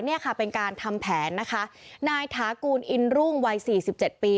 เนี่ยค่ะเป็นการทำแผนนะคะนายถากูลอินรุ่งวัยสี่สิบเจ็ดปี